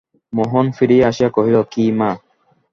মোহন ফিরিয়া আসিয়া কহিল, কী মা?